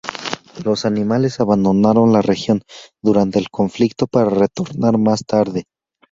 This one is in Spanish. Los animales abandonaron la región durante el conflicto para retornar más tarde.